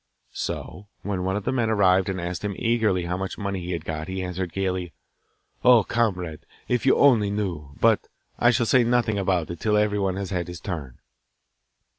So, when one of his men arrived and asked him eagerly how much money he had got, he answered gaily, 'Oh, comrade, if you only knew! But I shall say nothing about it till everyone has had his turn!